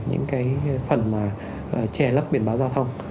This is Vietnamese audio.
những cái phần mà chè lấp biển báo giao thông